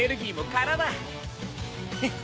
フッ。